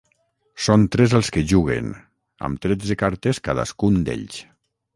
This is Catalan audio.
Són tres els que juguen, amb tretze cartes cadascun d’ells.